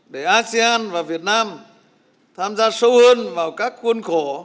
để asean và việt nam tham gia sâu hơn vào các khuôn khổ